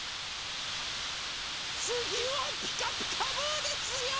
つぎは「ピカピカブ！」ですよ。